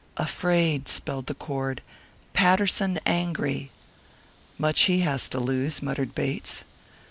"Afraid," spelled the cord. "Patterson angry." "Much he has to lose," muttered Bates.